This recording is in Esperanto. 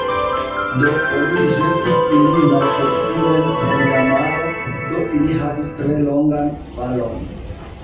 Do, oni ĵetis ilin malproksimen en la maro; do ili havis tre longan falon.